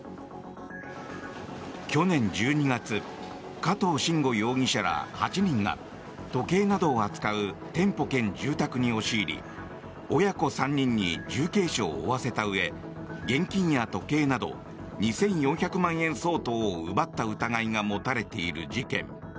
去年１２月加藤臣吾容疑者ら８人が時計などを扱う店舗兼住宅に押し入り親子３人に重軽傷を負わせたうえ現金や時計など２４００万円相当を奪った疑いが持たれている事件。